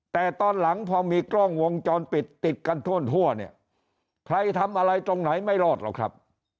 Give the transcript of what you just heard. แต่ตอนหลังพอมีกล้องวงจรปิดติดกันทั่วเนี่ยใครทำอะไรตรงไหนไม่รอดหรอกครับ